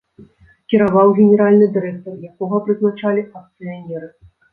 Кіраваў генеральны дырэктар, якога прызначалі акцыянеры.